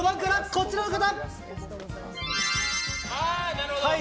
こちらの方。